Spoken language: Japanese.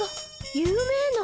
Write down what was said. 有名な。